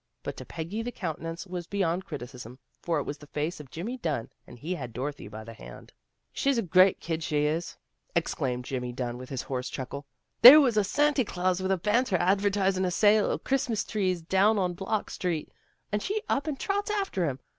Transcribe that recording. But to Peggy the countenance was beyond criticism, for it was the face of Jimmy Dunn and he had Dorothy by the hand. " She's a great kid, she is," exclaimed Jimmy 198 THE GIRLS OF FRIENDLY TERRACE Dunn with his hoarse chuckle. " There was a Santy Claws with a banner, a avertisin' a sale o' Christmas trees, down on Block street, and she up and trots after him.